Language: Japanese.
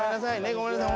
ごめんなさい